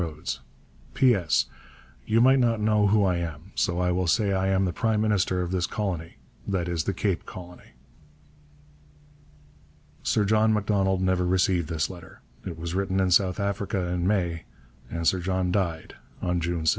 RHODES. PS. You might not know who I am, so I will say I am the Prime Minister of this Colony that is the Cape Colony. Sir John Macdonald never received this letter. It was written in South Africa in May, and Sir John died on June 6.